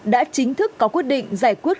đã chính thức có quyết định giải quyết